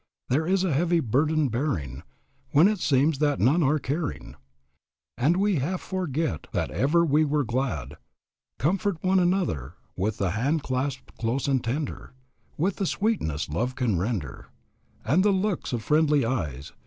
There is a heavy burden bearing, When it seems that none are caring, And we half forget that ever we were glad "Comfort one another With the hand clasp close and tender, With the sweetness love can render, And the looks of friendly eyes.